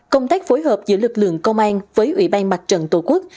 công tác phối hợp giữa lực lượng công an với ủy ban mặt trận tổ quốc